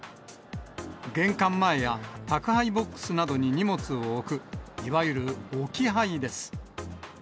玄関前や宅配ボックスなどに荷物を置く、いわゆる置き配です。